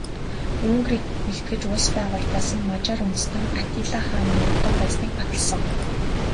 Унгарыг нэгтгэж улс байгуулж байсан Мажар үндэстэн Атилла хааны удам байсныг баталсан.